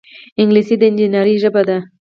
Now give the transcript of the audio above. انګلیسي د انجینرۍ ژبه ده